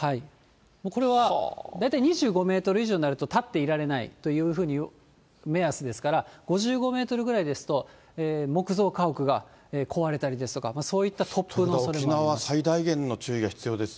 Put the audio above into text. これは大体２５メートル以上になると立っていられないというふうな目安ですから、５５メートルぐらいですと、木造家屋が壊れたりですとか、そういった突風のおそれもあります。